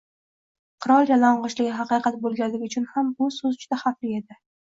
Qirol yalang‘ochligi haqiqat bo‘lganligi uchun ham bu so‘z juda xavfli edi